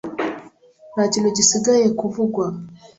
Nta kintu gisigaye kuvugwa.